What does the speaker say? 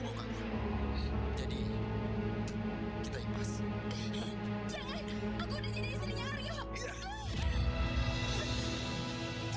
karena itu aku tidak perlu cari ratu